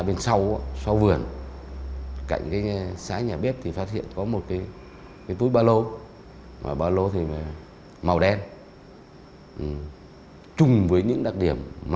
bị hại họ khai